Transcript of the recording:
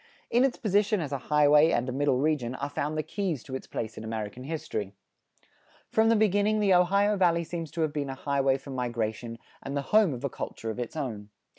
In its position as a highway and a Middle Region are found the keys to its place in American history. From the beginning the Ohio Valley seems to have been a highway for migration, and the home of a culture of its own.